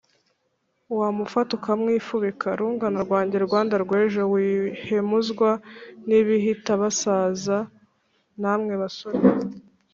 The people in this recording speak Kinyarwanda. wamufata ukamwifubika? rungano rwanjye rwanda rwejowihemuzwa n' ibihitabasaza namwe basore